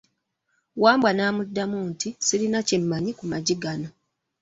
Wambwa n'amudamu nti, sirina kye mmanyi ku maggi go.